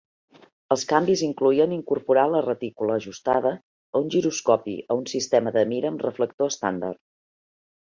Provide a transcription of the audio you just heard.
Els canvis incloïen incorporar la retícula ajustada a un giroscopi a un sistema de mira amb reflector estàndard.